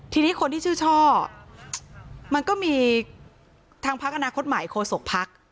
ทีนี้คนที่ชื่อช่อมันก็มีทางพักอนาคตใหม่โคศกภักดิ์